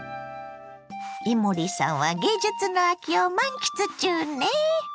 伊守さんは芸術の秋を満喫中ね。